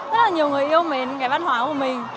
rất là nhiều người yêu mến cái văn hóa của mình